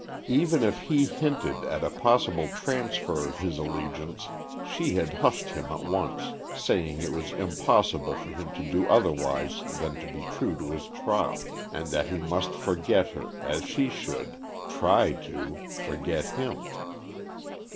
Even if he hinted at a possible transfer of his allegiance, she had hushed him at once, saying it was impossible for him to do otherwise than to be true to his troth, and that he must forget her, as she should—try to—forget him.